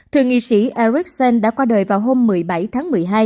thượng nghị sĩ erixen đã qua đời vào hôm một mươi bảy tháng một mươi hai